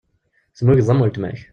Tmugeḍ am weltma-k.